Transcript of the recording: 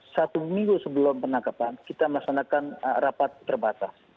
satu minggu sebelum penangkapan kita melaksanakan rapat terbatas